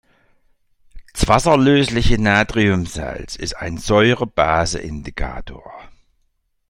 Das wasserlösliche Natriumsalz ist ein Säure-Base-Indikator.